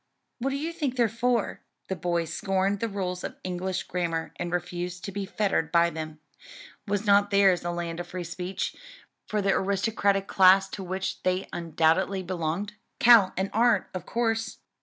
Who do you think they're for?" (The boys scorned the rules of English grammar, and refused to be fettered by them. Was not theirs a land of free speech for the aristocratic class to which they undoubtedly belonged?) "Cal and Art, of course."